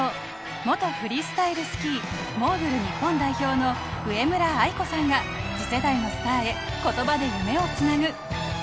元フリースタイルスキー・モーグル日本代表の上村愛子さんが次世代のスターへ言葉で夢をつなぐ。